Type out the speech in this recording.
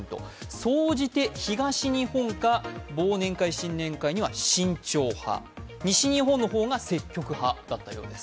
総じて東日本が忘年会・新年会には慎重派、西日本の方が積極派だったようです。